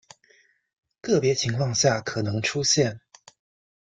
个别情况下可能出现。